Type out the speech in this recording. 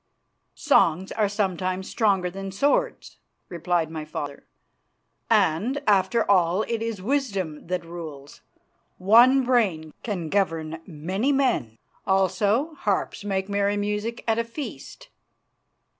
"Songs are sometimes stronger than swords," replied my father, "and, after all, it is wisdom that rules. One brain can govern many men; also, harps make merry music at a feast.